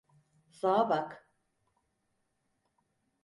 Sağa bak!